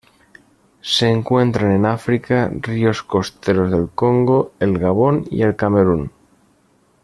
Se encuentran en África: ríos costeros del Congo, el Gabón y el Camerún.